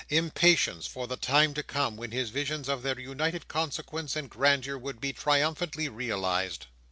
Impatience for the time to come, when his visions of their united consequence and grandeur would be triumphantly realized.